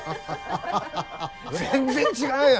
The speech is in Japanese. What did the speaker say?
全然違うよ。